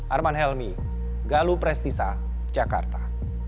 arman helmy galuh prestisa jakarta